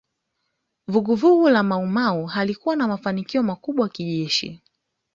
Vuguvugu la Maumau halikuwa na mafanikio makubwa kijeshi